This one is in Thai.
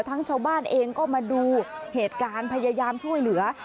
ชาวบ้านเองก็มาดูเหตุการณ์พยายามช่วยเหลือ